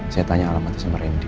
saya tanya alamatnya sama rendy